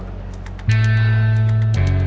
oh begitu ya pak